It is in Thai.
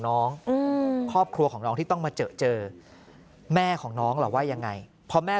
น้องครอบครัวของน้องที่ต้องมาเจอม่าหรอว่ายังไงพอแม่